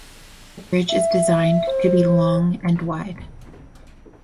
The bridge is designed to be long and wide.